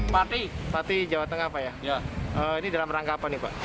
parti jawa tengah pak ini dalam rangka apa